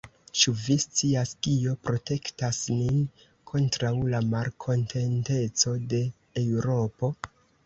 Ĉu vi scias, kio protektas nin kontraŭ la malkontenteco de Eŭropo?